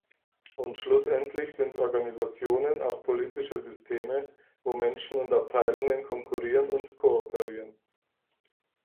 Und schlussendlich sind Organisationen auch "politische Systeme", wo Menschen und Abteilungen konkurrieren und kooperieren.